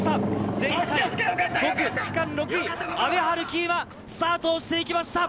前回５区、区間６位、阿部陽樹が今スタートしていきました。